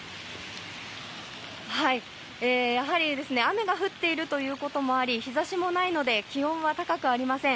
やはり雨が降っているということもあり日差しもないので気温は高くありません。